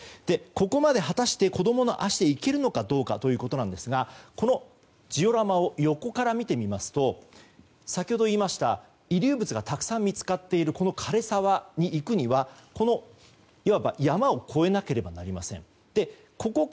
ここまで、果たして子供の足で行けるのかどうかということなんですがジオラマを横から見てみますと先ほど言いました遺留物がたくさん見つかっている枯れ沢に行くにはこの山を越えなければなりません。